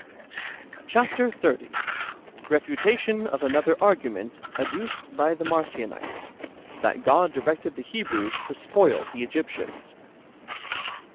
Chap. xxx. — Befutation of another argument adduced hy the Marcionitesy that God directed the Ilehrews to spoil the Egyptians.